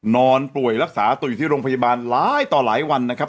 นอนป่วยรักษาตัวอยู่ที่โรงพยาบาลหลายต่อหลายวันนะครับ